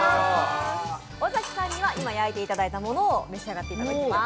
尾崎さんには今焼いていただいたものを召し上がっていただきます。